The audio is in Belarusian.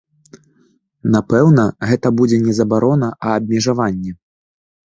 Напэўна, гэта будзе не забарона, а абмежаванне.